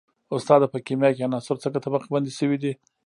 استاده په کیمیا کې عناصر څنګه طبقه بندي شوي دي